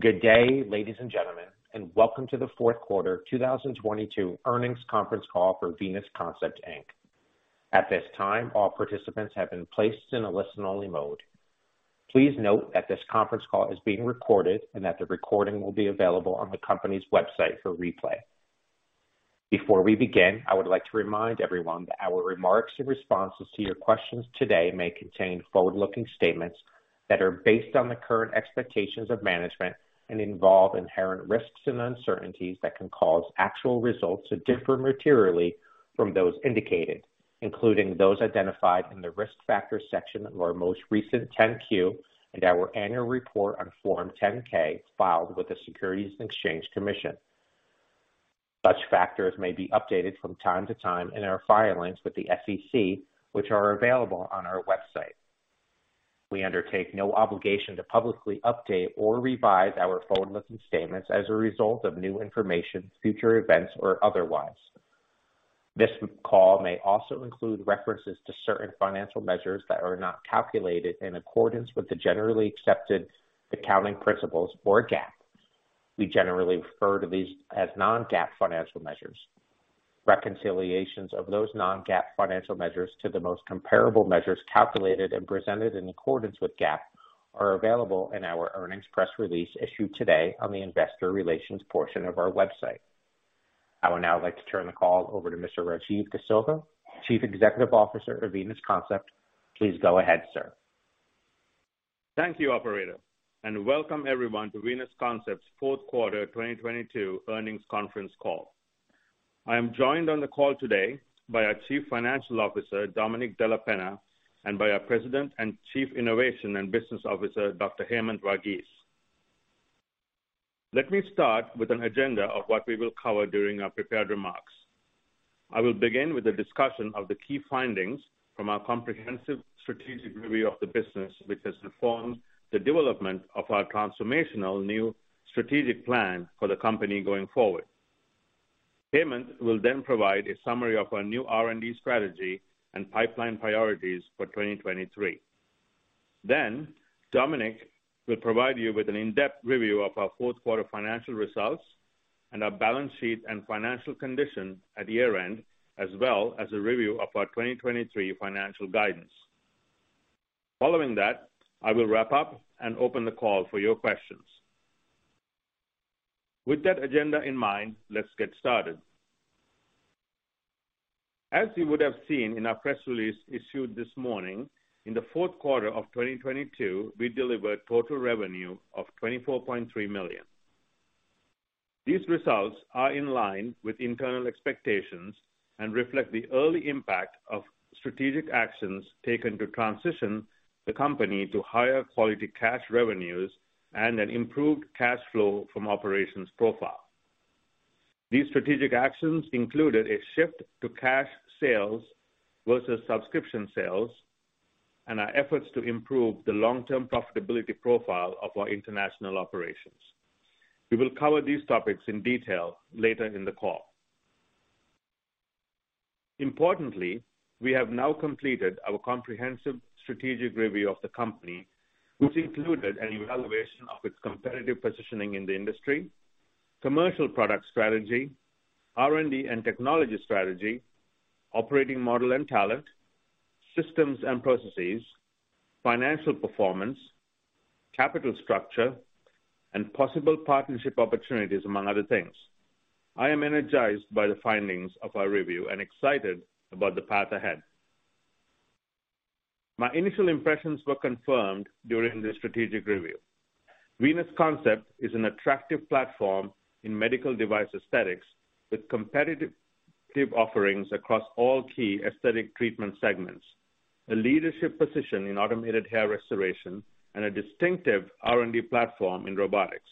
Good day, ladies and gentlemen, welcome to the Fourth Quarter 2022 Earnings Conference Call for Venus Concept Inc. At this time, all participants have been placed in a listen-only mode. Please note that this conference call is being recorded and that the recording will be available on the company's website for replay. Before we begin, I would like to remind everyone that our remarks and responses to your questions today may contain forward-looking statements that are based on the current expectations of management and involve inherent risks and uncertainties that can cause actual results to differ materially from those indicated, including those identified in the Risk Factors section of our most recent 10-Q and our annual report on Form 10-K filed with the Securities and Exchange Commission. Such factors may be updated from time to time in our filings with the SEC, which are available on our website. We undertake no obligation to publicly update or revise our forward-looking statements as a result of new information, future events, or otherwise. This call may also include references to certain financial measures that are not calculated in accordance with the generally accepted accounting principles, or GAAP. We generally refer to these as non-GAAP financial measures. Reconciliations of those non-GAAP financial measures to the most comparable measures calculated and presented in accordance with GAAP are available in our earnings press release issued today on the investor relations portion of our website. I would now like to turn the call over to Mr. Rajiv De Silva, Chief Executive Officer of Venus Concept. Please go ahead, sir. Thank you, operator. Welcome everyone to Venus Concept's fourth quarter 2022 earnings conference call. I am joined on the call today by our Chief Financial Officer, Domenic Della Penna, and by our President and Chief Innovation and Business Officer, Dr. Hemanth Varghese. Let me start with an agenda of what we will cover during our prepared remarks. I will begin with a discussion of the key findings from our comprehensive strategic review of the business, which has informed the development of our transformational new strategic plan for the company going forward. Hemanth will then provide a summary of our new R&D strategy and pipeline priorities for 2023. Domenic will provide you with an in-depth review of our fourth quarter financial results and our balance sheet and financial condition at year-end, as well as a review of our 2023 financial guidance. Following that, I will wrap up and open the call for your questions. With that agenda in mind, let's get started. As you would have seen in our press release issued this morning, in the fourth quarter of 2022, we delivered total revenue of $24.3 million. These results are in line with internal expectations and reflect the early impact of strategic actions taken to transition the company to higher quality cash revenues and an improved cash flow from operations profile. These strategic actions included a shift to cash sales versus subscription sales and our efforts to improve the long-term profitability profile of our international operations. We will cover these topics in detail later in the call. Importantly, we have now completed our comprehensive strategic review of the company, which included an evaluation of its competitive positioning in the industry, commercial product strategy, R&D and technology strategy, operating model and talent, systems and processes, financial performance, capital structure, and possible partnership opportunities, among other things. I am energized by the findings of our review and excited about the path ahead. My initial impressions were confirmed during the strategic review. Venus Concept is an attractive platform in medical device aesthetics with competitive offerings across all key aesthetic treatment segments, a leadership position in automated hair restoration, and a distinctive R&D platform in robotics.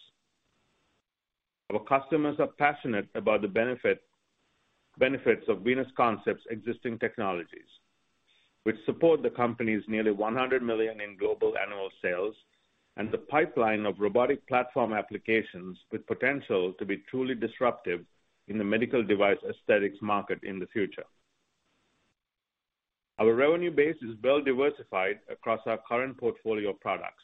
Our customers are passionate about the benefits of Venus Concept's existing technologies, which support the company's nearly $100 million in global annual sales and the pipeline of robotic platform applications with potential to be truly disruptive in the medical device aesthetics market in the future. Our revenue base is well diversified across our current portfolio of products,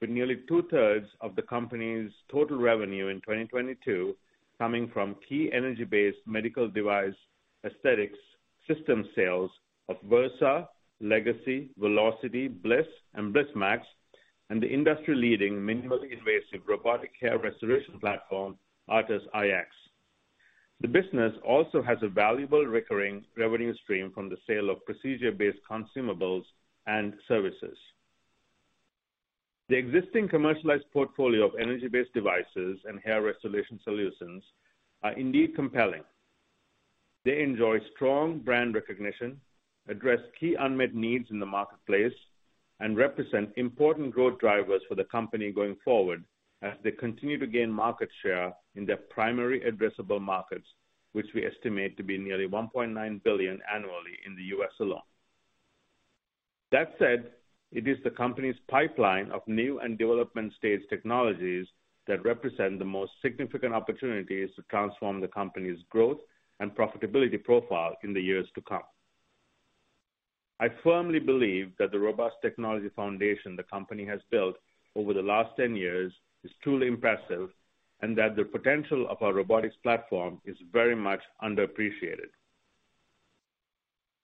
with nearly two-thirds of the company's total revenue in 2022 coming from key energy-based medical device aesthetics system sales of Versa, Legacy, Velocity, Bliss, and BlissMAX, and the industry-leading minimally invasive robotic hair restoration platform, ARTAS iX. The business also has a valuable recurring revenue stream from the sale of procedure-based consumables and services. The existing commercialized portfolio of energy-based devices and hair restoration solutions are indeed compelling. They enjoy strong brand recognition, address key unmet needs in the marketplace, and represent important growth drivers for the company going forward as they continue to gain market share in their primary addressable markets, which we estimate to be nearly $1.9 billion annually in the U.S. alone. It is the company's pipeline of new and development stage technologies that represent the most significant opportunities to transform the company's growth and profitability profile in the years to come. I firmly believe that the robust technology foundation the company has built over the last 10 years is truly impressive and that the potential of our robotics platform is very much underappreciated.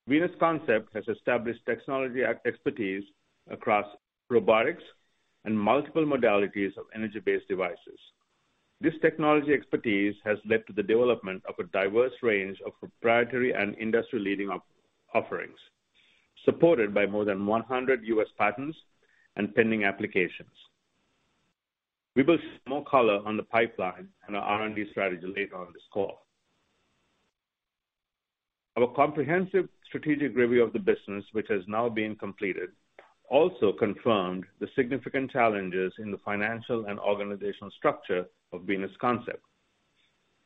Venus Concept has established technology expertise across robotics and multiple modalities of energy-based devices. This technology expertise has led to the development of a diverse range of proprietary and industry-leading offerings, supported by more than 100 U.S. patents and pending applications. We will share more color on the pipeline and our R&D strategy later on this call. Our comprehensive strategic review of the business, which has now been completed, also confirmed the significant challenges in the financial and organizational structure of Venus Concept.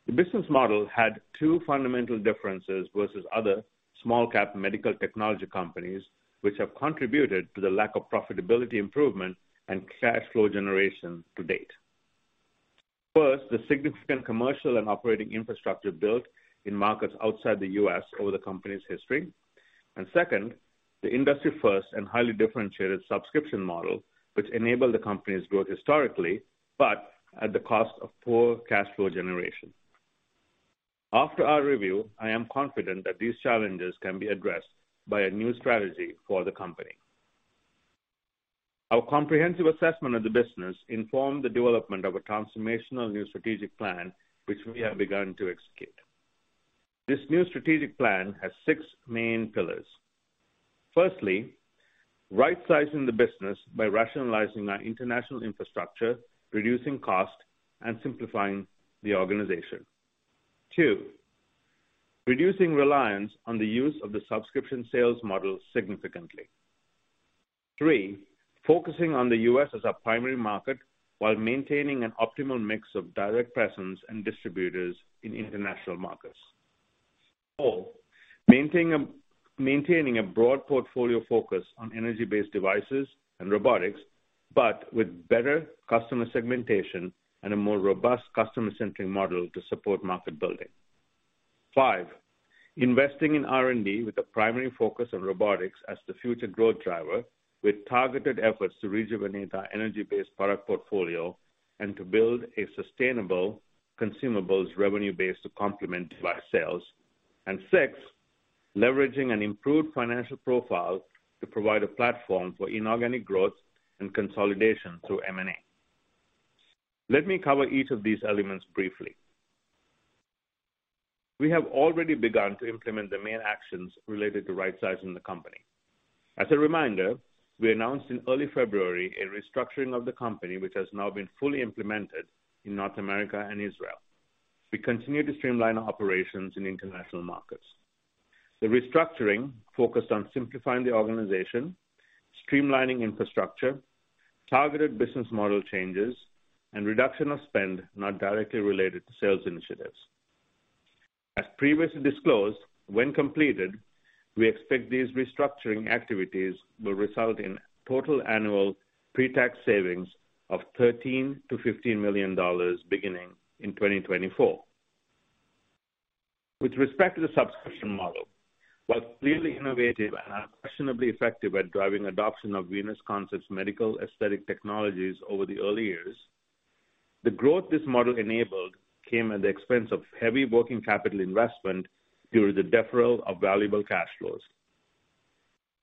The business model had two fundamental differences versus other small cap medical technology companies, which have contributed to the lack of profitability improvement and cash flow generation to date. First, the significant commercial and operating infrastructure built in markets outside the U.S. over the company's history. Second, the industry first and highly differentiated subscription model, which enabled the company's growth historically, but at the cost of poor cash flow generation. After our review, I am confident that these challenges can be addressed by a new strategy for the company. Our comprehensive assessment of the business informed the development of a transformational new strategic plan, which we have begun to execute. This new strategic plan has six main pillars. Firstly, rightsizing the business by rationalizing our international infrastructure, reducing cost and simplifying the organization. Two, reducing reliance on the use of the subscription sales model significantly. Three, focusing on the U.S. as our primary market while maintaining an optimal mix of direct presence and distributors in international markets. Four, maintaining a broad portfolio focus on energy-based devices and robotics, but with better customer segmentation and a more robust customer-centric model to support market building. Five, investing in R&D with a primary focus on robotics as the future growth driver, with targeted efforts to rejuvenate our energy-based product portfolio and to build a sustainable consumables revenue base to complement device sales. Six, leveraging an improved financial profile to provide a platform for inorganic growth and consolidation through M&A. Let me cover each of these elements briefly. We have already begun to implement the main actions related to rightsizing the company. As a reminder, we announced in early February a restructuring of the company, which has now been fully implemented in North America and Israel. We continue to streamline our operations in international markets. The restructuring focused on simplifying the organization, streamlining infrastructure, targeted business model changes, and reduction of spend not directly related to sales initiatives. As previously disclosed, when completed, we expect these restructuring activities will result in total annual pre-tax savings of $13 million to $15 million beginning in 2024. With respect to the subscription model, while clearly innovative and unquestionably effective at driving adoption of Venus Concept's medical aesthetic technologies over the early years, the growth this model enabled came at the expense of heavy working capital investment due to the deferral of valuable cash flows.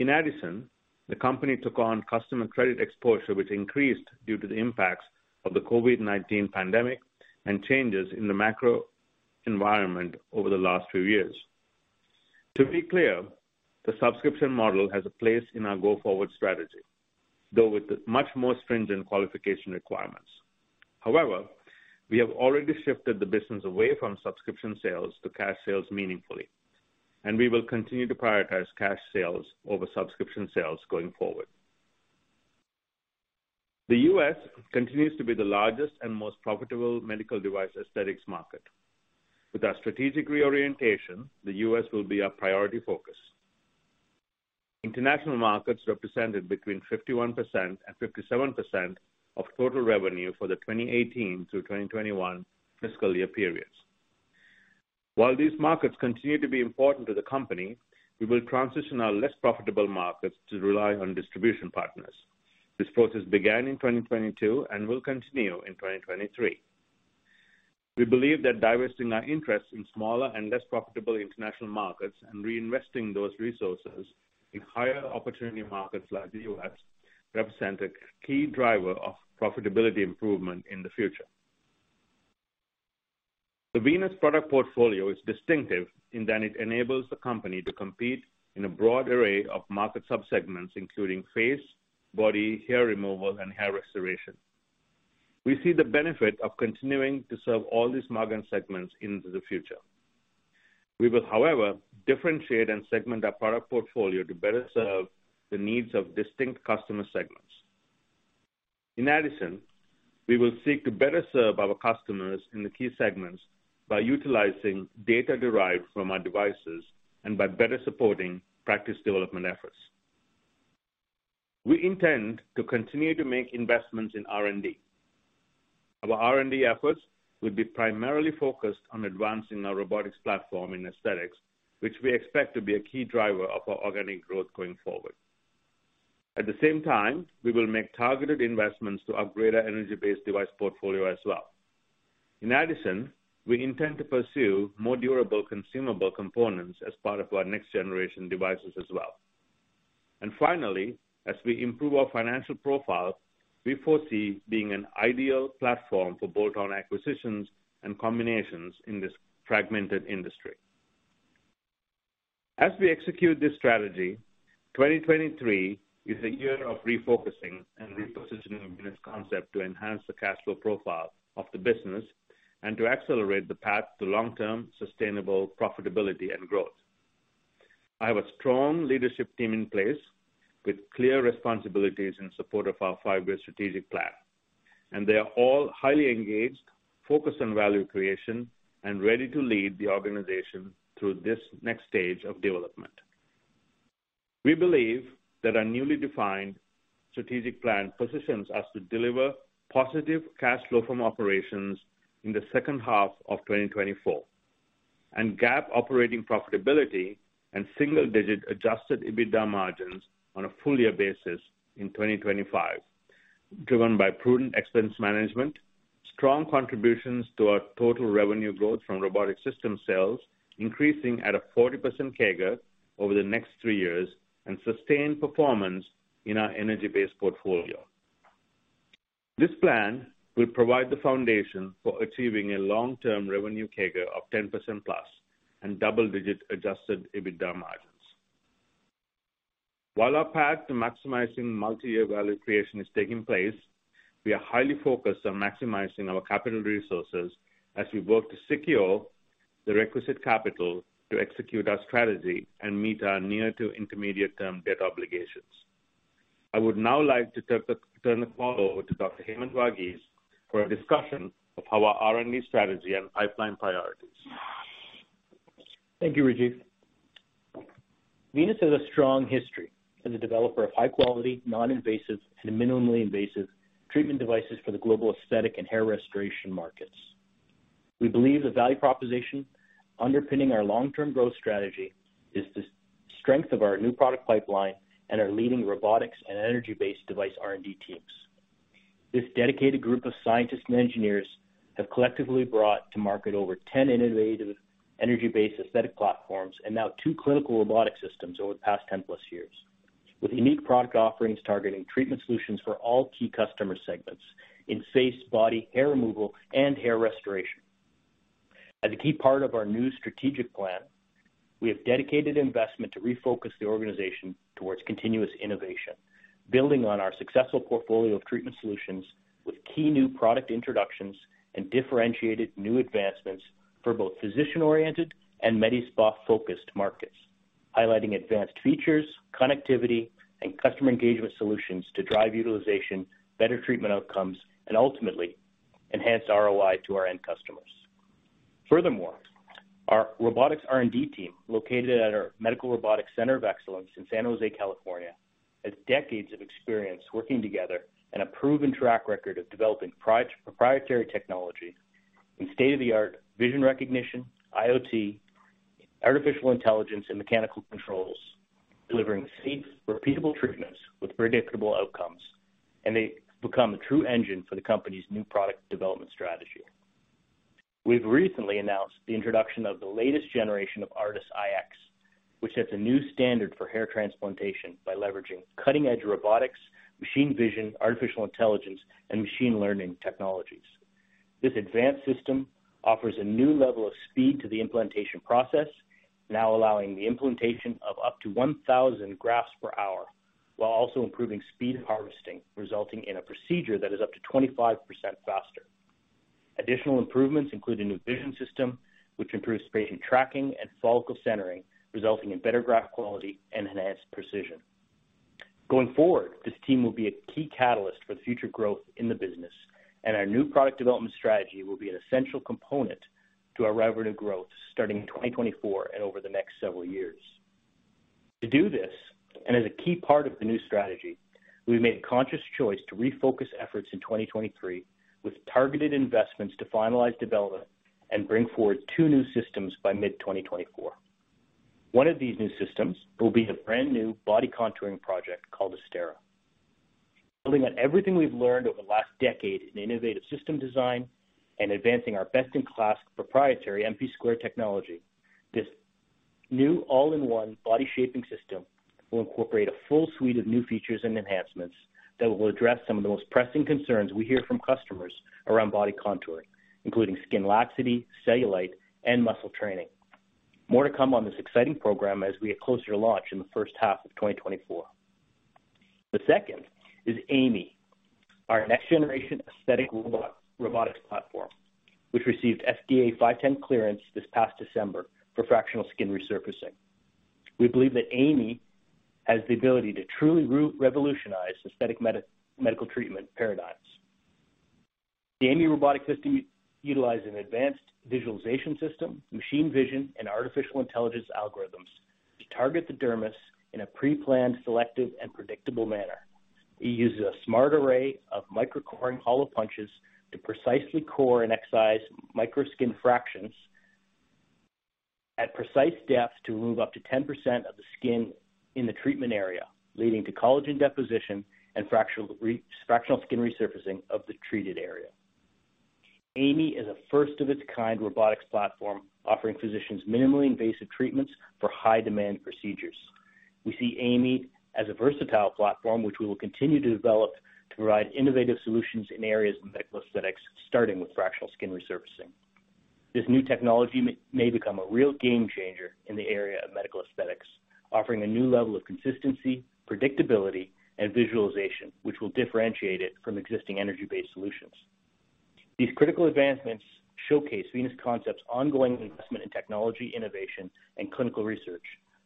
In addition, the company took on customer credit exposure, which increased due to the impacts of the COVID-19 pandemic and changes in the macro environment over the last few years. To be clear, the subscription model has a place in our go-forward strategy, though with much more stringent qualification requirements. We have already shifted the business away from subscription sales to cash sales meaningfully, and we will continue to prioritize cash sales over subscription sales going forward. The U.S. continues to be the largest and most profitable medical device aesthetics market. With our strategic reorientation, the U.S. will be our priority focus. International markets represented between 51% and 57% of total revenue for the 2018 through 2021 fiscal year periods. These markets continue to be important to the company, we will transition our less profitable markets to rely on distribution partners. This process began in 2022 and will continue in 2023. We believe that divesting our interest in smaller and less profitable international markets and reinvesting those resources in higher opportunity markets like the U.S. represent a key driver of profitability improvement in the future. The Venus product portfolio is distinctive in that it enables the company to compete in a broad array of market sub-segments, including face, body, hair removal, and hair restoration. We see the benefit of continuing to serve all these market segments into the future. We will, however, differentiate and segment our product portfolio to better serve the needs of distinct customer segments. In addition, we will seek to better serve our customers in the key segments by utilizing data derived from our devices and by better supporting practice development efforts. We intend to continue to make investments in R&D. Our R&D efforts will be primarily focused on advancing our robotics platform in aesthetics, which we expect to be a key driver of our organic growth going forward. At the same time, we will make targeted investments to upgrade our energy-based device portfolio as well. In addition, we intend to pursue more durable consumable components as part of our next generation devices as well. Finally, as we improve our financial profile, we foresee being an ideal platform for bolt-on acquisitions and combinations in this fragmented industry. As we execute this strategy, 2023 is a year of refocusing and repositioning Venus Concept to enhance the cash flow profile of the business and to accelerate the path to long-term sustainable profitability and growth. I have a strong leadership team in place with clear responsibilities in support of our five-year strategic plan, and they are all highly engaged, focused on value creation and ready to lead the organization through this next stage of development. We believe that our newly defined strategic plan positions us to deliver positive cash flow from operations in the second half of 2024, and GAAP operating profitability and single-digit Adjusted EBITDA margins on a full year basis in 2025, driven by prudent expense management, strong contributions to our total revenue growth from robotic system sales, increasing at a 40% CAGR over the next three years, and sustained performance in our energy-based portfolio. This plan will provide the foundation for achieving a long-term revenue CAGR of 10%+ and double-digit Adjusted EBITDA margins. While our path to maximizing multi-year value creation is taking place, we are highly focused on maximizing our capital resources as we work to secure the requisite capital to execute our strategy and meet our near to intermediate term debt obligations. I would now like to turn the call over to Dr. Hemanth Varghese for a discussion of our R&D strategy and pipeline priorities. Thank you, Rajiv. Venus has a strong history as a developer of high quality, non-invasive and minimally invasive treatment devices for the global aesthetic and hair restoration markets. We believe the value proposition underpinning our long-term growth strategy is the strength of our new product pipeline and our leading robotics and energy-based device R&D teams. This dedicated group of scientists and engineers have collectively brought to market over 10 innovative energy-based aesthetic platforms and now two clinical robotic systems over the past 10+ years, with unique product offerings targeting treatment solutions for all key customer segments in face, body, hair removal and hair restoration. As a key part of our new strategic plan, we have dedicated investment to refocus the organization towards continuous innovation, building on our successful portfolio of treatment solutions with key new product introductions and differentiated new advancements for both physician-oriented and medispa-focused markets, highlighting advanced features, connectivity and customer engagement solutions to drive utilization, better treatment outcomes, and ultimately enhance ROI to our end customers. Our robotics R&D team, located at our Medical Robotics Center of Excellence in San Jose, California, has decades of experience working together and a proven track record of developing proprietary technology in state-of-the-art vision recognition, IoT, artificial intelligence and mechanical controls, delivering safe, repeatable treatments with predictable outcomes, and they become a true engine for the company's new product development strategy. We've recently announced the introduction of the latest generation of ARTAS iX, which sets a new standard for hair transplantation by leveraging cutting-edge robotics, machine vision, artificial intelligence, and machine learning technologies. This advanced system offers a new level of speed to the implantation process, now allowing the implantation of up to 1,000 grafts per hour, while also improving speed harvesting, resulting in a procedure that is up to 25% faster. Additional improvements include a new vision system, which improves patient tracking and follicle centering, resulting in better graft quality and enhanced precision. Going forward, this team will be a key catalyst for the future growth in the business, and our new product development strategy will be an essential component to our revenue growth starting in 2024 and over the next several years. To do this, as a key part of the new strategy, we've made a conscious choice to refocus efforts in 2023 with targeted investments to finalize development and bring forward two new systems by mid-2024. One of these new systems will be a brand new body contouring project called Astera. Building on everything we've learned over the last decade in innovative system design and advancing our best-in-class proprietary (MP)² technology, this new all-in-one body shaping system will incorporate a full suite of new features and enhancements that will address some of the most pressing concerns we hear from customers around body contouring, including skin laxity, cellulite and muscle training. More to come on this exciting program as we get closer to launch in the first half of 2024. The second is AI.ME, our next generation aesthetic robotics platform, which received FDA 510(k) clearance this past December for fractional skin resurfacing. We believe that AI.ME has the ability to truly revolutionize aesthetic medical treatment paradigms. The AI.ME robotic system utilize an advanced visualization system, machine vision and artificial intelligence algorithms to target the dermis in a pre-planned, selective and predictable manner. It uses a smart array of micro coring hollow punches to precisely core and excise micro skin fractions at precise depths to remove up to 10% of the skin in the treatment area, leading to collagen deposition and fractional skin resurfacing of the treated area. AI.ME is a first of its kind robotics platform, offering physicians minimally invasive treatments for high demand procedures. We see AI.ME as a versatile platform which we will continue to develop to provide innovative solutions in areas of medical aesthetics, starting with fractional skin resurfacing. This new technology may become a real game changer in the area of medical aesthetics, offering a new level of consistency, predictability and visualization, which will differentiate it from existing energy-based solutions. These critical advancements showcase Venus Concept's ongoing investment in technology innovation and clinical research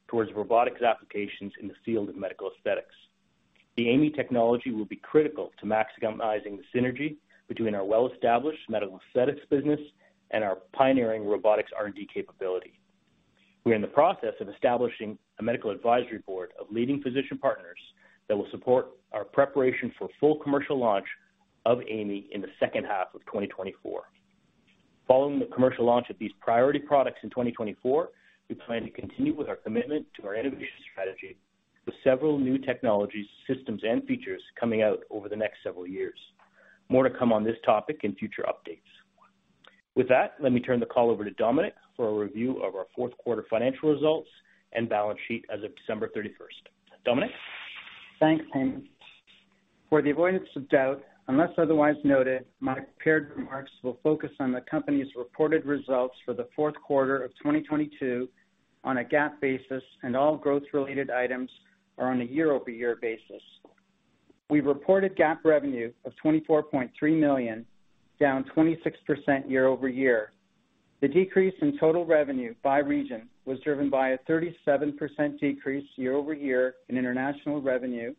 towards robotics applications in the field of medical aesthetics. The AI.ME technology will be critical to maximizing the synergy between our well-established medical aesthetics business and our pioneering robotics R&D capability. We are in the process of establishing a medical advisory board of leading physician partners that will support our preparation for full commercial launch of AI.ME in the second half of 2024. Following the commercial launch of these priority products in 2024, we plan to continue with our commitment to our innovation strategy with several new technologies, systems and features coming out over the next several years. More to come on this topic in future updates. With that, let me turn the call over to Domenic for a review of our fourth quarter financial results and balance sheet as of 31st December. Domenic. Thanks, Hemanth. For the avoidance of doubt, unless otherwise noted, my prepared remarks will focus on the company's reported results for the fourth quarter of 2022 on a GAAP basis, and all growth related items are on a year-over-year basis. We reported GAAP revenue of $24.3 million, down 26% year-over-year. The decrease in total revenue by region was driven by a 37% decrease year-over-year in international revenue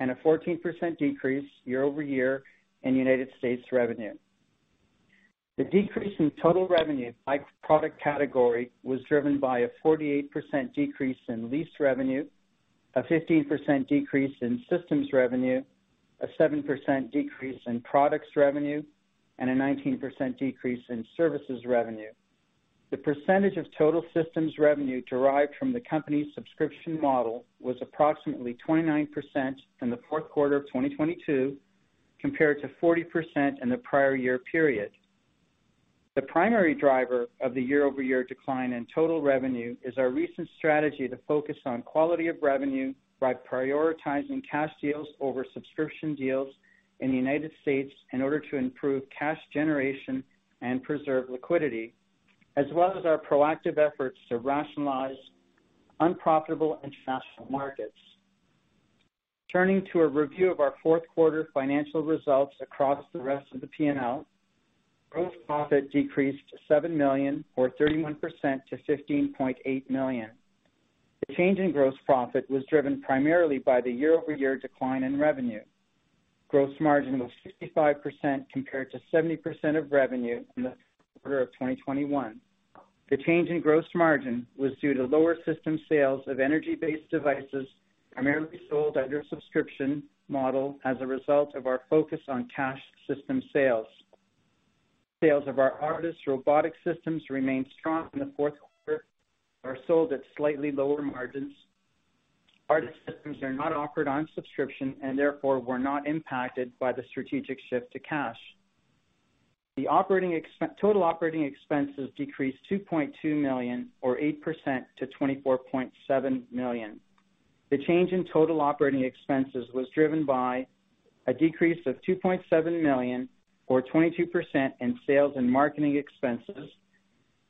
and a 14% decrease year-over-year in United States revenue. The decrease in total revenue by product category was driven by a 48% decrease in lease revenue, a 15% decrease in systems revenue, a 7% decrease in products revenue, and a 19% decrease in services revenue. The percentage of total systems revenue derived from the company's subscription model was approximately 29% in the fourth quarter of 2022, compared to 40% in the prior year period. The primary driver of the year-over-year decline in total revenue is our recent strategy to focus on quality of revenue by prioritizing cash deals over subscription deals in the United States in order to improve cash generation and preserve liquidity, as well as our proactive efforts to rationalize unprofitable international markets. Turning to a review of our fourth quarter financial results across the rest of the P&L. Gross profit decreased to $7 million or 31% to $15.8 million. The change in gross profit was driven primarily by the year-over-year decline in revenue. Gross margin was 65% compared to 70% of revenue in the third quarter of 2021. The change in gross margin was due to lower system sales of energy-based devices primarily sold under a subscription model as a result of our focus on cash system sales. Sales of our ARTAS Robotic Systems remained strong in the fourth quarter, are sold at slightly lower margins. ARTAS systems are not offered on subscription and therefore were not impacted by the strategic shift to cash. The total operating expenses decreased $2.2 million or 8% to $24.7 million. The change in total operating expenses was driven by a decrease of $2.7 million or 22% in sales and marketing expenses,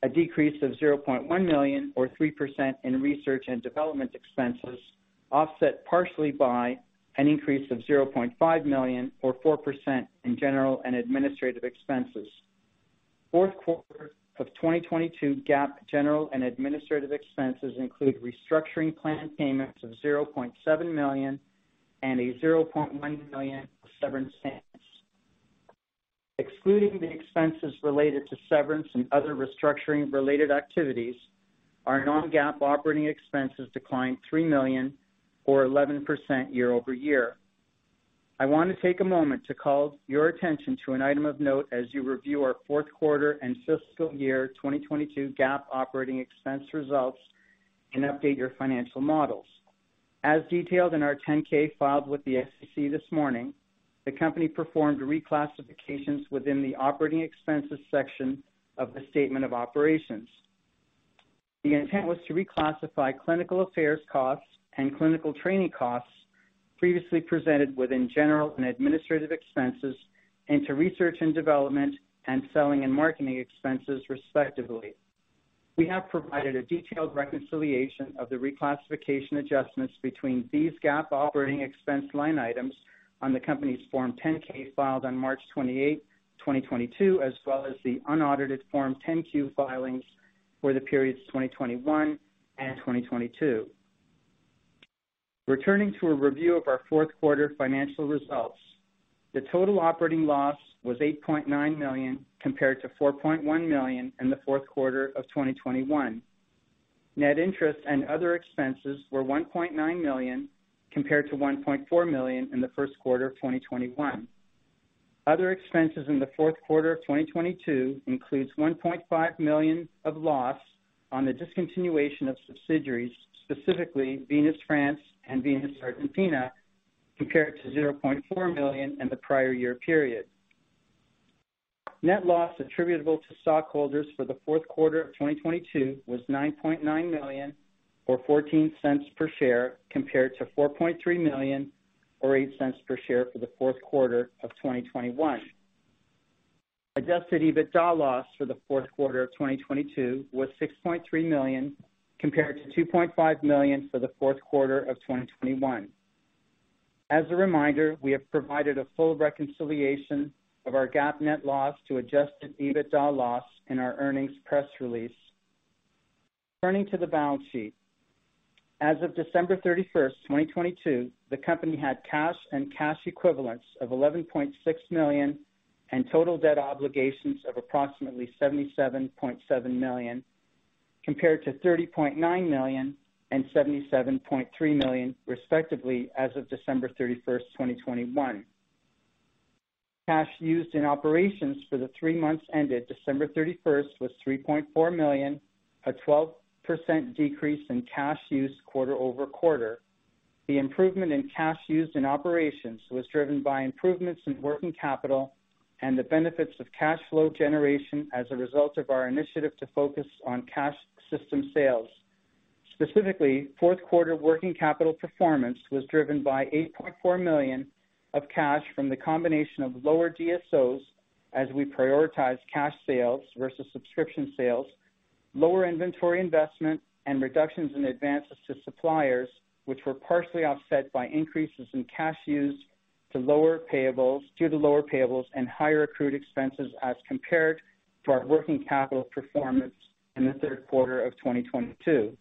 a decrease of $0.1 million or 3% in research and development expenses, offset partially by an increase of $0.5 million or 4% in general and administrative expenses. Fourth quarter of 2022 GAAP general and administrative expenses include restructuring plan payments of $0.7 million and a $0.1 million severance payments. Excluding the expenses related to severance and other restructuring related activities, our non-GAAP operating expenses declined $3 million or 11% year-over-year. I want to take a moment to call your attention to an item of note as you review our fourth quarter and fiscal year 2022 GAAP operating expense results and update your financial models. As detailed in our 10-K filed with the SEC this morning, the company performed reclassifications within the operating expenses section of the statement of operations. The intent was to reclassify clinical affairs costs and clinical training costs previously presented within general and administrative expenses into research and development and selling and marketing expenses, respectively. We have provided a detailed reconciliation of the reclassification adjustments between these GAAP operating expense line items on the company's Form 10-K filed on 28 March 2022, as well as the unaudited Form 10-Q filings for the periods 2021 and 2022. Returning to a review of our fourth quarter financial results. The total operating loss was $8.9 million, compared to $4.1 million in the fourth quarter of 2021. Net interest and other expenses were $1.9 million, compared to $1.4 million in the first quarter of 2021. Other expenses in the fourth quarter of 2022 includes $1.5 million of loss on the discontinuation of subsidiaries, specifically Venus France and Venus Argentina, compared to $0.4 million in the prior year period. Net loss attributable to stockholders for the fourth quarter of 2022 was $9.9 million, or $0.14 per share, compared to $4.3 million or $0.08 per share for the fourth quarter of 2021. Adjusted EBITDA loss for the fourth quarter of 2022 was $6.3 million, compared to $2.5 million for the fourth quarter of 2021. As a reminder, we have provided a full reconciliation of our GAAP net loss to Adjusted EBITDA loss in our earnings press release. Turning to the balance sheet. As of 31st December 2022, the company had cash and cash equivalents of $11.6 million and total debt obligations of approximately $77.7 million, compared to $30.9 million and $77.3 million, respectively, as of December 31st, 2021. Cash used in operations for the three months ended 31st December was $3.4 million, a 12% decrease in cash use quarter-over-quarter. The improvement in cash used in operations was driven by improvements in working capital and the benefits of cash flow generation as a result of our initiative to focus on cash system sales. Specifically, fourth quarter working capital performance was driven by $8.4 million of cash from the combination of lower DSOs as we prioritize cash sales versus subscription sales, lower inventory investment, and reductions in advances to suppliers, which were partially offset by increases in cash used due to lower payables and higher accrued expenses as compared to our working capital performance in the third quarter of 2022.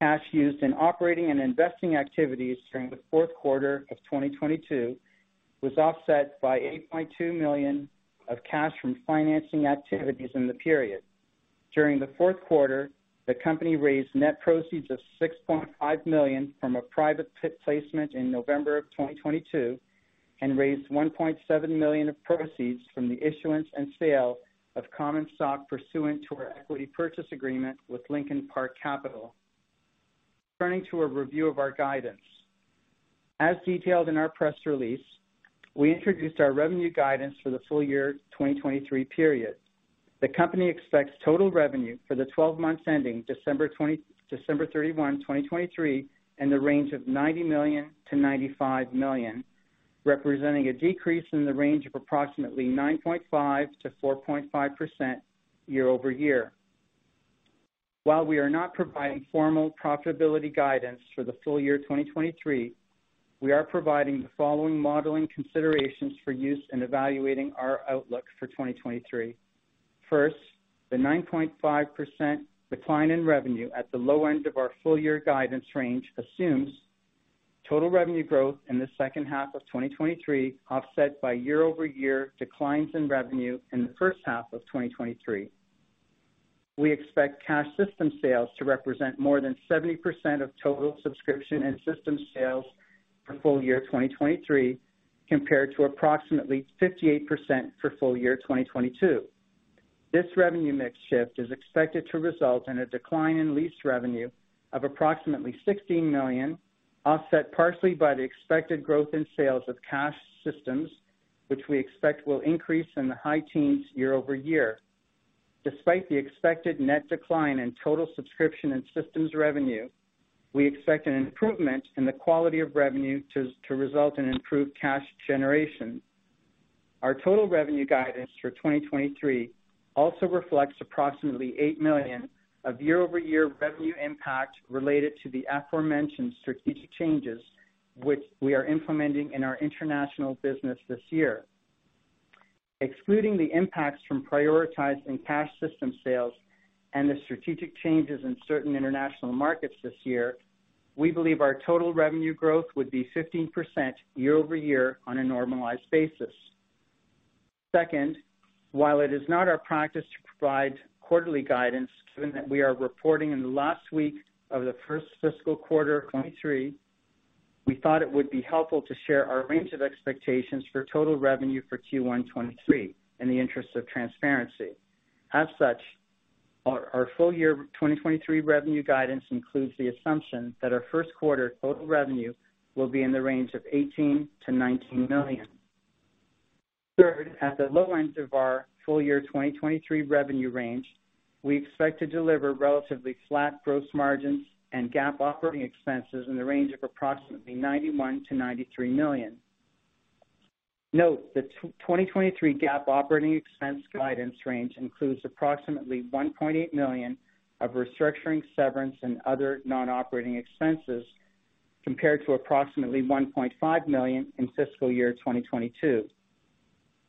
Cash used in operating and investing activities during the fourth quarter of 2022 was offset by $8.2 million of cash from financing activities in the period. During the fourth quarter, the company raised net proceeds of $6.5 million from a private placement in November of 2022 and raised $1.7 million of proceeds from the issuance and sale of common stock pursuant to our equity purchase agreement with Lincoln Park Capital. Turning to a review of our guidance. As detailed in our press release, we introduced our revenue guidance for the full year 2023 period. The company expects total revenue for the 12 months ending December 31, 2023, in the range of $90 million to $95 million, representing a decrease in the range of approximately 9.5%-4.5% year-over-year. While we are not providing formal profitability guidance for the full year 2023, we are providing the following modeling considerations for use in evaluating our outlook for 2023. First, the 9.5% decline in revenue at the low end of our full year guidance range assumes total revenue growth in the second half of 2023, offset by year-over-year declines in revenue in the first half of 2023. We expect cash system sales to represent more than 70% of total subscription and system sales for full year 2023, compared to approximately 58% for full year 2022. This revenue mix shift is expected to result in a decline in lease revenue of approximately $16 million, offset partially by the expected growth in sales of cash systems, which we expect will increase in the high teens year-over-year. Despite the expected net decline in total subscription and systems revenue, we expect an improvement in the quality of revenue to result in improved cash generation. Our total revenue guidance for 2023 also reflects approximately $8 million of year-over-year revenue impact related to the aforementioned strategic changes which we are implementing in our international business this year. Excluding the impacts from prioritizing cash system sales and the strategic changes in certain international markets this year, we believe our total revenue growth would be 15% year-over-year on a normalized basis. Second, while it is not our practice to provide quarterly guidance, given that we are reporting in the last week of the first fiscal quarter of 2023, we thought it would be helpful to share our range of expectations for total revenue for Q1 2023 in the interest of transparency. As such, our full year 2023 revenue guidance includes the assumption that our first quarter total revenue will be in the range of $18 million to $19 million. Third, at the low end of our full year 2023 revenue range, we expect to deliver relatively flat gross margins and GAAP operating expenses in the range of approximately $91 million to $93 million. Note, the 2023 GAAP operating expense guidance range includes approximately $1.8 million of restructuring, severance, and other non-operating expenses, compared to approximately $1.5 million in fiscal year 2022.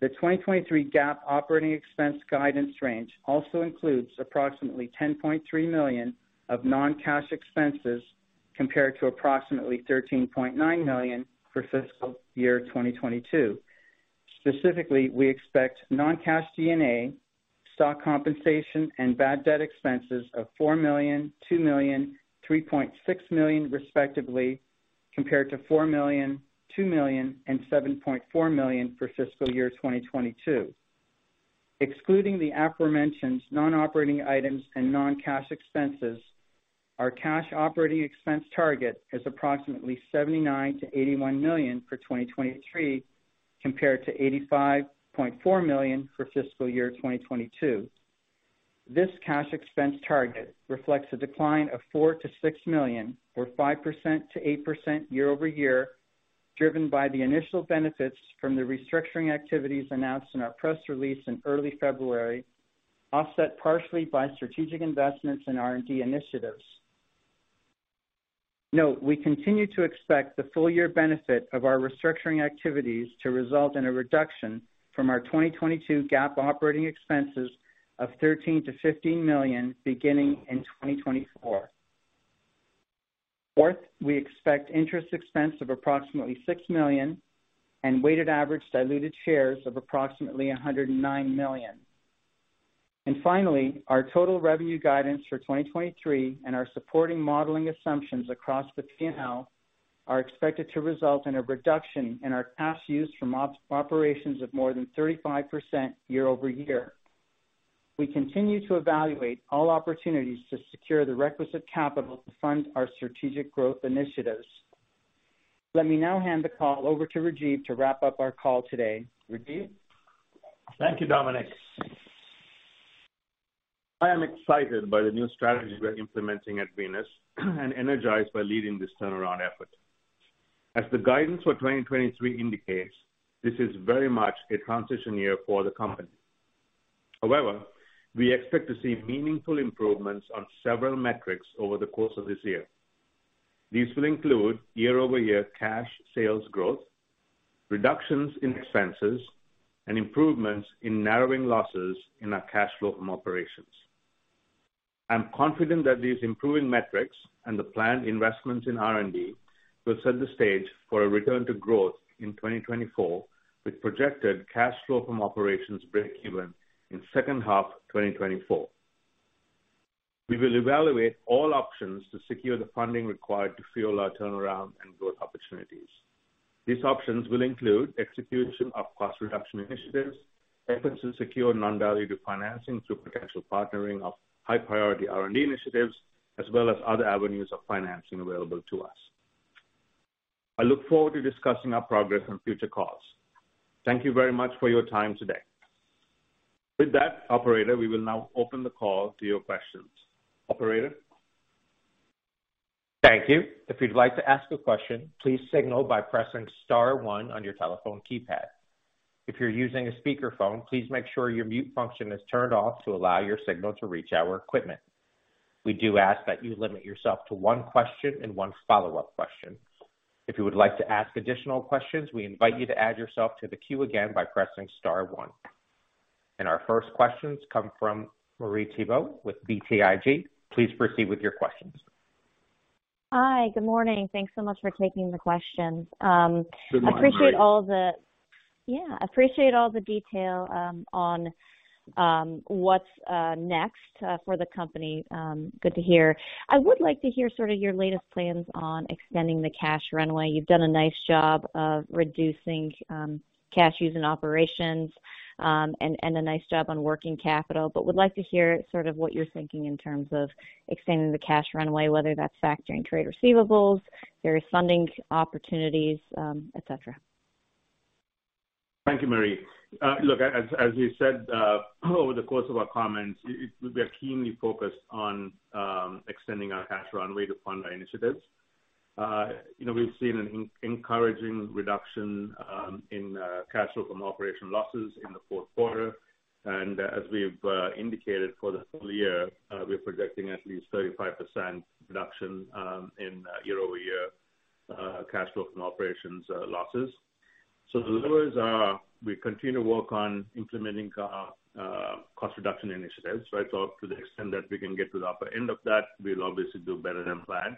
The 2023 GAAP operating expense guidance range also includes approximately $10.3 million of non-cash expenses compared to approximately $13.9 million for fiscal year 2022. Specifically, we expect non-cash D&A, stock compensation, and bad debt expenses of $4 million, $2 million, $3.6 million respectively, compared to $4 million, $2 million, and $7.4 million for fiscal year 2022. Excluding the aforementioned non-operating items and non-cash expenses, our cash operating expense target is approximately $79 million to $81 million for 2023, compared to $85.4 million for fiscal year 2022. This cash expense target reflects a decline of $4 million to $6 million or 5%-8% year-over-year, driven by the initial benefits from the restructuring activities announced in our press release in early February, offset partially by strategic investments in R&D initiatives. Note, we continue to expect the full year benefit of our restructuring activities to result in a reduction from our 2022 GAAP operating expenses of $13 million to $15 million beginning in 2024. Fourth, we expect interest expense of approximately $6 million and weighted average diluted shares of approximately 109 million. Finally, our total revenue guidance for 2023 and our supporting modeling assumptions across the P&L are expected to result in a reduction in our cash use from operations of more than 35% year-over-year. We continue to evaluate all opportunities to secure the requisite capital to fund our strategic growth initiatives. Let me now hand the call over to Rajiv to wrap up our call today. Rajiv? Thank you, Domenic. I am excited by the new strategies we are implementing at Venus and energized by leading this turnaround effort. As the guidance for 2023 indicates, this is very much a transition year for the company. However, we expect to see meaningful improvements on several metrics over the course of this year. These will include year-over-year cash sales growth, reductions in expenses, and improvements in narrowing losses in our cash flow from operations. I'm confident that these improving metrics and the planned investments in R&D will set the stage for a return to growth in 2024, with projected cash flow from operations breakeven in second half 2024. We will evaluate all options to secure the funding required to fuel our turnaround and growth opportunities. These options will include execution of cost reduction initiatives, efforts to secure non-dilutive financing through potential partnering of high priority R&D initiatives, as well as other avenues of financing available to us. I look forward to discussing our progress on future calls. Thank you very much for your time today. With that, operator, we will now open the call to your questions. Operator? Thank you. If you'd like to ask a question, please signal by pressing star one on your telephone keypad. If you're using a speakerphone, please make sure your mute function is turned off to allow your signal to reach our equipment. We do ask that you limit yourself to one question and one follow-up question. If you would like to ask additional questions, we invite you to add yourself to the queue again by pressing star one. Our first questions come from Marie Thibault with BTIG. Please proceed with your questions. Hi, good morning. Thanks so much for taking the questions. Good morning, Marie. I appreciate all the detail on what's next for the company, good to hear. I would like to hear sort of your latest plans on extending the cash runway. You've done a nice job of reducing cash use in operations, and a nice job on working capital. I would like to hear sort of what you're thinking in terms of extending the cash runway, whether that's factoring trade receivables, various funding opportunities, et cetera. Thank you, Marie. Look, as you said, over the course of our comments, we are keenly focused on extending our cash runway to fund our initiatives. You know, we've seen an encouraging reduction in cash flow from operation losses in the fourth quarter. As we've indicated for the full year, we're projecting at least 35% reduction in year-over-year cash flow from operations losses. As always, we continue to work on implementing cost reduction initiatives, right? To the extent that we can get to the upper end of that, we'll obviously do better than planned.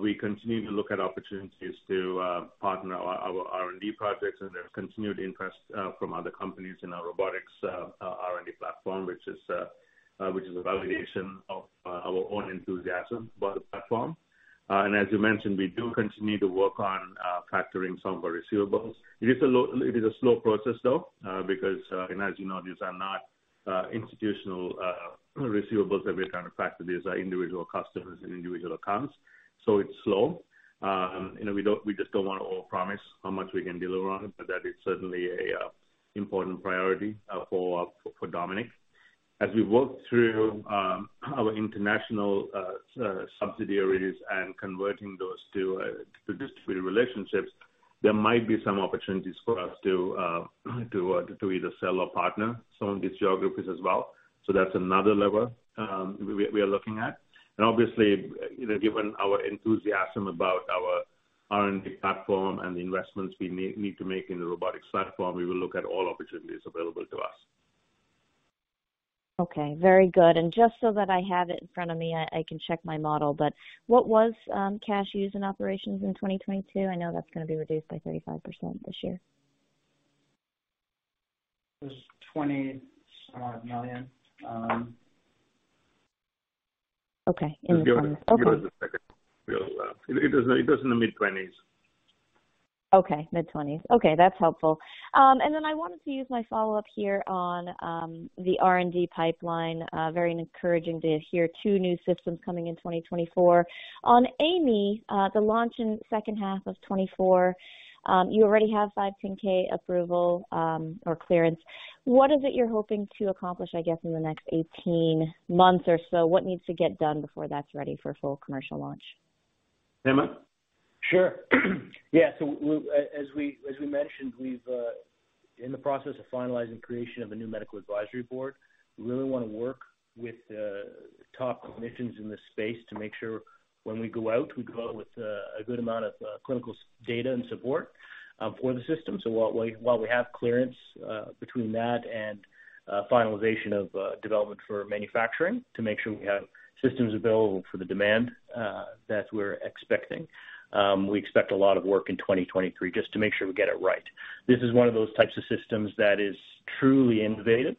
We continue to look at opportunities to partner our R&D projects, and there's continued interest from other companies in our robotics R&D platform, which is a validation of our own enthusiasm about the platform. As you mentioned, we do continue to work on factoring some of our receivables. It is a slow process, though, because, and as you know, these are not institutional receivables that we are trying to factor. These are individual customers and individual accounts, so it's slow. You know, we don't, we just don't wanna overpromise how much we can deliver on, but that is certainly a important priority for Domenic. As we work through our international subsidiaries and converting those to distributed relationships, there might be some opportunities for us to either sell or partner some of these geographies as well. That's another lever, we are looking at. Obviously, you know, given our enthusiasm about our R&D platform and the investments we need to make in the robotics platform, we will look at all opportunities available to us. Okay, very good. Just so that I have it in front of me, I can check my model, but what was cash used in operations in 2022? I know that's gonna be reduced by 35% this year. It was $20 some odd million. Okay. In the 20 okay. Give it a second. It was, it was in the mid-20s. Okay. Mid-20s. Okay. That's helpful. I wanted to use my follow-up here on the R&D pipeline. Very encouraging to hear two new systems coming in 2024. On AI.ME, the launch in second half of 2024, you already have 510(k) approval, or clearance. What is it you're hoping to accomplish, I guess, in the next 18 months or so? What needs to get done before that's ready for full commercial launch? Hemanth? Sure. Yeah. As we mentioned, we've in the process of finalizing creation of a new medical advisory board. We really wanna work with top clinicians in this space to make sure when we go out, we go out with a good amount of clinical data and support for the system. While we have clearance between that and finalization of development for manufacturing to make sure we have systems available for the demand that we're expecting. We expect a lot of work in 2023 just to make sure we get it right. This is one of those types of systems that is truly innovative,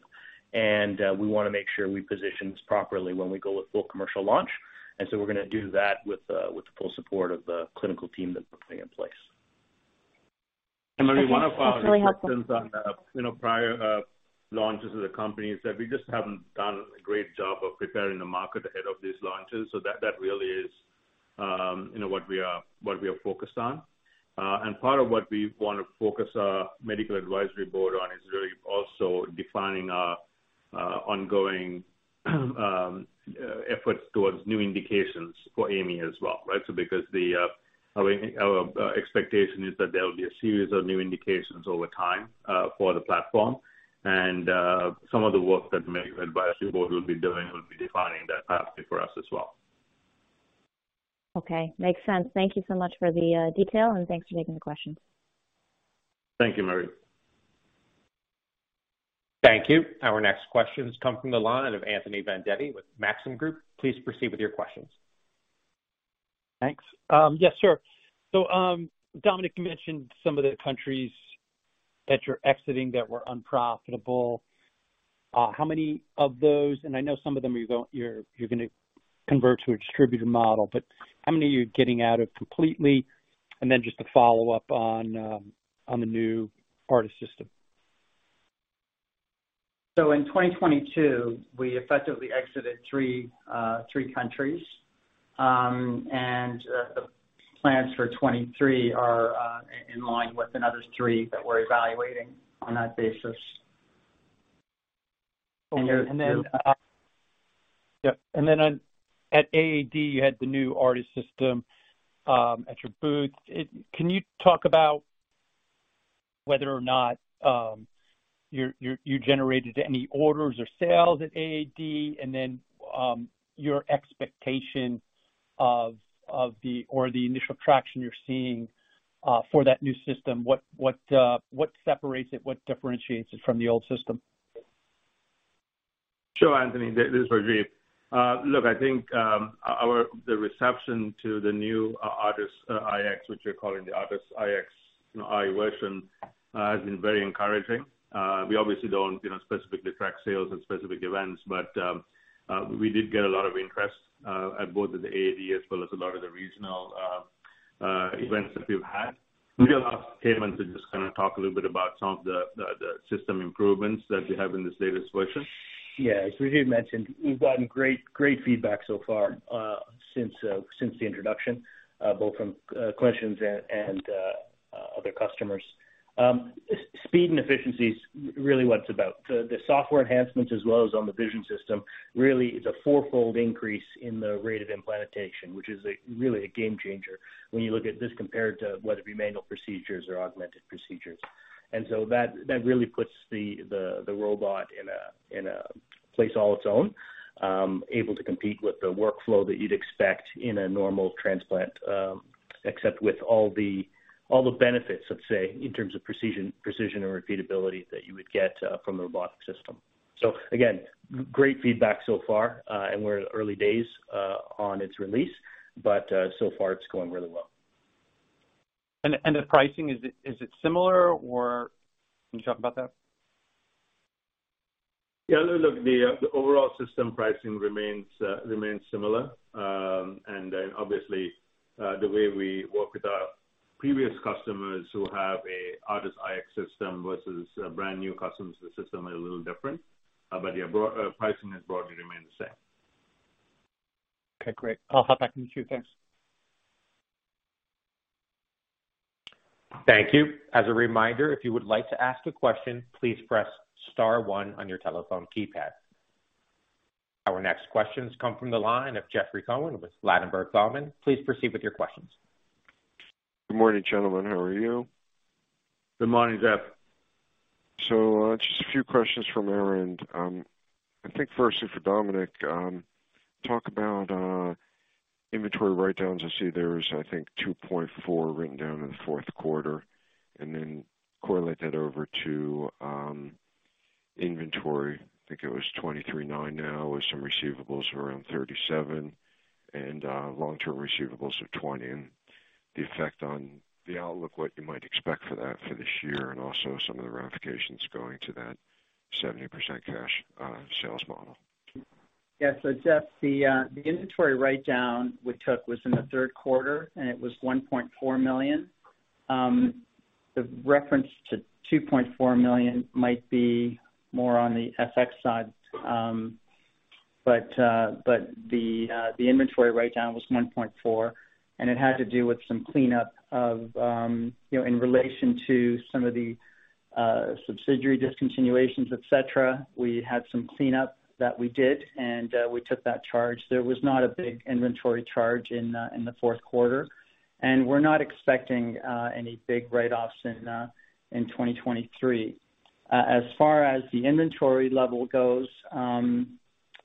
and we wanna make sure we position this properly when we go with full commercial launch. We're gonna do that with the full support of the clinical team that we're putting in place. Okay. That's really helpful. Marie, one of our lessons on the, you know, prior launches of the company is that we just haven't done a great job of preparing the market ahead of these launches. That, that really is, you know, what we are focused on. Part of what we wanna focus our medical advisory board on is really also defining our ongoing efforts towards new indications for AI.ME as well, right? Because the, our expectation is that there will be a series of new indications over time for the platform. Some of the work that medical advisory board will be doing will be defining that pathway for us as well. Okay. Makes sense. Thank you so much for the detail, and thanks for taking the question. Thank you, Marie. Thank you. Our next questions come from the line of Anthony Vendetti with Maxim Group. Please proceed with your questions. Thanks. Yes, sure. Domenic mentioned some of the countries that you're exiting that were unprofitable. How many of those, and I know some of them you're gonna convert to a distributed model, but how many are you getting out of completely? Just to follow up on the new ARTAS system. In 2022, we effectively exited three countries. The plans for 2023 are in line with another three that we're evaluating on that basis. Okay. Yep. On, at AAD, you had the new ARTAS system at your booth. Can you talk about whether or not you generated any orders or sales at AAD? Your expectation of the initial traction you're seeing for that new system, what separates it? What differentiates it from the old system? Sure, Anthony. This is Rajiv. Look, I think, the reception to the new ARTAS iX, which we're calling the ARTAS iX, you know, eye version, has been very encouraging. We obviously don't, you know, specifically track sales at specific events, but we did get a lot of interest at both at the AAD as well as a lot of the regional events that we've had. Maybe I'll ask Hemanth to just kinda talk a little bit about some of the system improvements that we have in this latest version. Yeah. As Rajiv mentioned, we've gotten great feedback so far, since the introduction, both from questions and other customers. Speed and efficiency is really what it's about. The software enhancements as well as on the vision system really is a fourfold increase in the rate of implantation, which is a really a game changer when you look at this compared to whether it be manual procedures or augmented procedures. That really puts the robot in a place all its own, able to compete with the workflow that you'd expect in a normal transplant, except with all the benefits, let's say, in terms of precision and repeatability that you would get from the robotic system. Again, great feedback so far. We're early days on its release, but so far it's going really well. The pricing, is it similar or can you talk about that? Yeah, look, the overall system pricing remains similar. Obviously, the way we work with our previous customers who have a ARTAS iX system versus brand new customers to the system are a little different. Yeah, pricing has broadly remained the same. Okay, great. I'll hop back in the queue. Thanks. Thank you. As a reminder, if you would like to ask a question, please press star one on your telephone keypad. Our next questions come from the line of Jeffrey Cohen with Ladenburg Thalmann. Please proceed with your questions. Good morning, gentlemen. How are you? Good morning, Jeff. Just a few questions from our end. I think firstly for Domenic. Talk about. Inventory write-downs. I see there's, I think, $2.4 million written down in the fourth quarter, and then correlate that over to inventory. I think it was $23.9 million now, with some receivables around $37 million and long-term receivables of $20 million. The effect on the outlook, what you might expect for that for this year and also some of the ramifications going to that 70% cash sales model. Yeah. Jeff, the inventory write-down we took was in the third quarter, and it was $1.4 million. The reference to $2.4 million might be more on the FX side. The inventory write-down was $1.4 million, and it had to do with some cleanup of, you know, in relation to some of the subsidiary discontinuations, et cetera. We had some cleanup that we did, and we took that charge. There was not a big inventory charge in the fourth quarter, and we're not expecting any big write-offs in 2023. As far as the inventory level goes,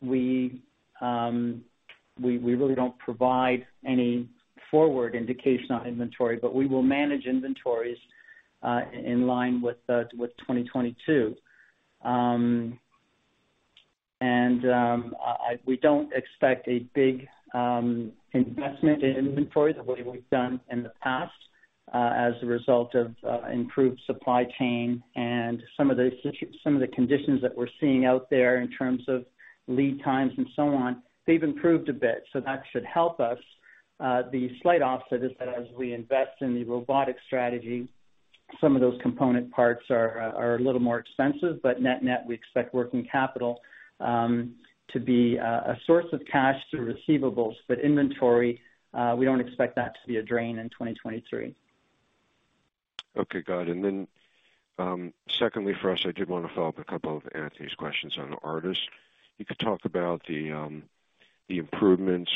we really don't provide any forward indication on inventory, but we will manage inventories in line with 2022. We don't expect a big investment in inventory the way we've done in the past, as a result of improved supply chain and some of the conditions that we're seeing out there in terms of lead times and so on. They've improved a bit, so that should help us. The slight offset is that as we invest in the robotic strategy, some of those component parts are a little more expensive. Net-net, we expect working capital to be a source of cash through receivables. Inventory, we don't expect that to be a drain in 2023. Okay, got it. Secondly, for us, I did wanna follow up a couple of Anthony's questions on the ARTAS. You could talk about the improvements.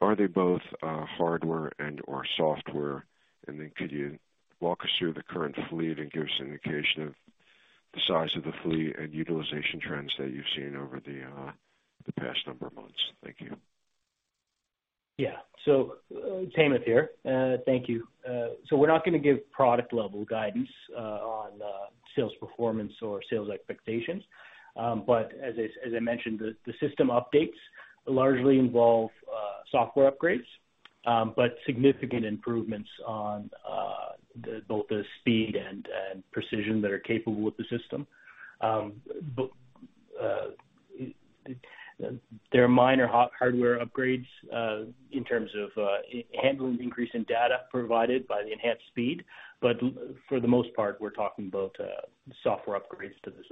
Are they both hardware and/or software? Could you walk us through the current fleet and give us an indication of the size of the fleet and utilization trends that you've seen over the past number of months? Thank you. Hermanth here. Thank you. We're not gonna give product level guidance on sales performance or sales expectations. As I mentioned, the system updates largely involve software upgrades, but significant improvements on the both the speed and precision that are capable with the system. There are minor hardware upgrades in terms of handling the increase in data provided by the enhanced speed. For the most part, we're talking about software upgrades to the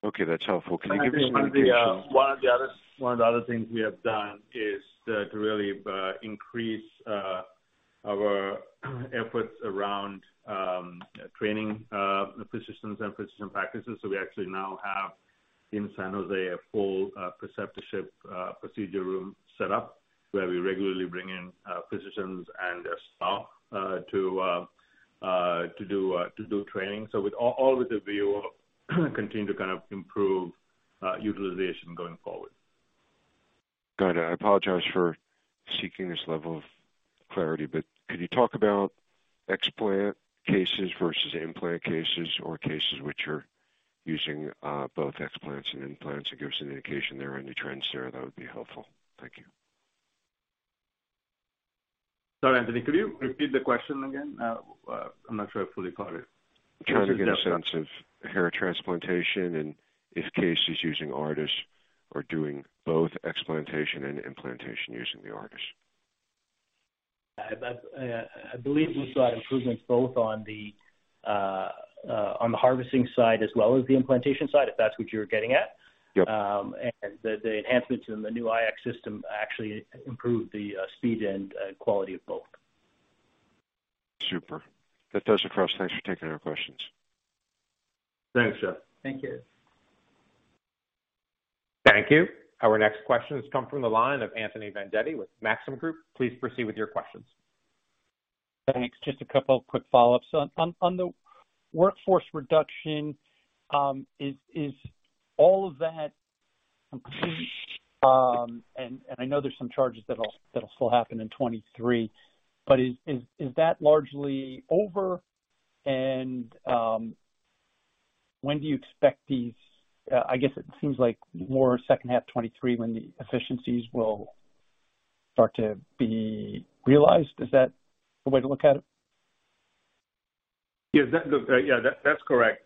system. Okay, that's helpful. Can you give us an indication. One of the other things we have done is to really increase our efforts around training physicians and physician practices. We actually now have in San Jose a full preceptorship procedure room set up where we regularly bring in physicians and their staff to do training. All with the view of continue to kind of improve utilization going forward. Got it. I apologize for seeking this level of clarity, but could you talk about explant cases versus implant cases or cases which are using both explants and implants, and give us an indication there, any trends there, that would be helpful. Thank you. Sorry, Anthony, could you repeat the question again? I'm not sure I fully caught it. Trying to get a sense of hair transplantation and if cases using ARTAS are doing both explantation and implantation using the ARTAS. I believe we saw improvements both on the harvesting side as well as the implantation side, if that's what you're getting at. Yep. The enhancements in the new iX system actually improved the speed and quality of both. Super. That does it for us. Thanks for taking our questions. Thanks, Jeff. Thank you. Thank you. Our next question has come from the line of Anthony Vendetti with Maxim Group. Please proceed with your questions. Thanks. Just a couple of quick follow-ups. On the workforce reduction, is all of that complete? I know there's some charges that'll still happen in 2023, but is that largely over? When do you expect these, I guess it seems like more second half 2023 when the efficiencies will start to be realized. Is that the way to look at it? Yeah. That's correct.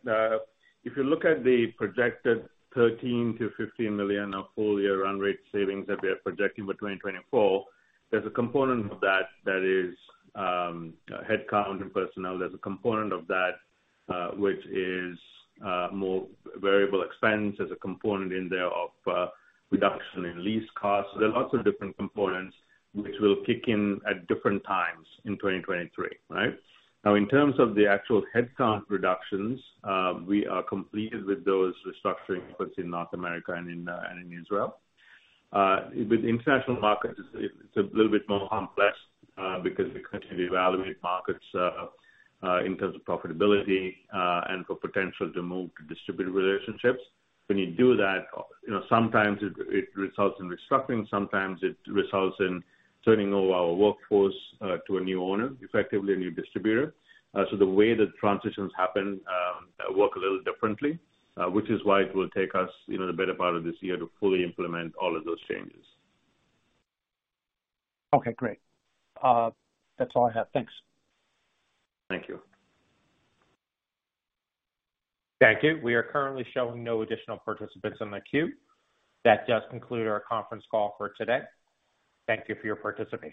If you look at the projected $13 million to $15 million of full year run rate savings that we are projecting between 2024, there's a component of that that is headcount and personnel. There's a component of that which is more variable expense. There's a component in there of reduction in lease costs. There are lots of different components which will kick in at different times in 2023. Right? In terms of the actual headcount reductions, we are completed with those restructuring efforts in North America and in Israel. With international markets, it's a little bit more complex because we continue to evaluate markets in terms of profitability and for potential to move to distributed relationships. When you do that, you know, sometimes it results in restructuring, sometimes it results in turning over our workforce, to a new owner, effectively a new distributor. The way the transitions happen, work a little differently, which is why it will take us, you know, the better part of this year to fully implement all of those changes. Okay, great. That's all I have. Thanks. Thank you. Thank you. We are currently showing no additional participants in the queue. That does conclude our conference call for today. Thank you for your participation.